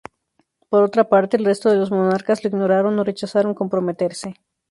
Por otra parte, el resto de los monarcas lo ignoraron o rechazaron comprometerse.